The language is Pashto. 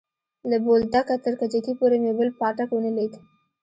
له بولدکه تر کجکي پورې مې بل پاټک ونه ليد.